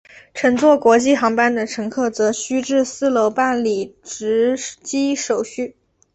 乘坐国际航班的乘客则需至四楼办理值机手续。